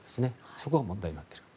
そこが問題になっている。